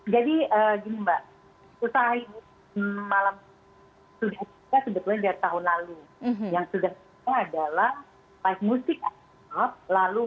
jadi gini mbak usaha ini malam sudah kita sebetulnya dari tahun lalu